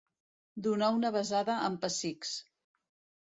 Donar una besada amb pessics.